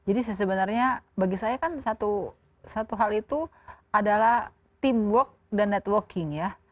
jadi sebenarnya bagi saya kan satu hal itu adalah teamwork dan networking ya